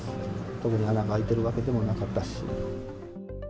特に穴が開いているわけでもなかったし。